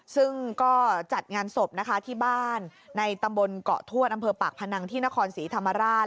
ซึ่งก็จัดงานศพนะคะที่บ้านในตำบลเกาะทวดอำเภอปากพนังที่นครศรีธรรมราช